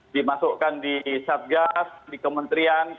dimasukkan di satgas di kementerian